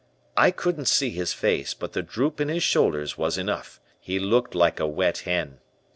I couldn't see his face, but the droop in his shoulders was enough. He looked like a wet hen.